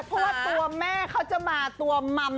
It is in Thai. เพราะตัวแม่จะมาตัวมัม